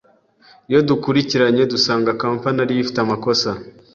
iyo dukurikiranye dusanga kampani ariyo ifite amakosa